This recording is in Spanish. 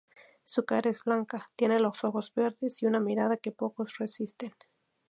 Su cara es blanca, tiene los ojos verdes y una mirada que pocos resisten.